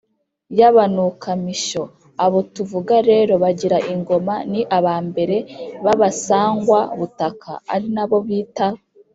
y’abanukamishyo. abo tuvuga rero bagiraga ingoma, ni aba mbere b’abasangwa-butaka, ari nabo bita